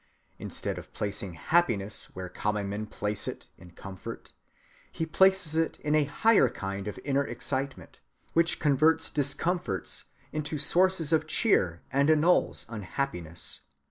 Instead of placing happiness where common men place it, in comfort, he places it in a higher kind of inner excitement, which converts discomforts into sources of cheer and annuls unhappiness.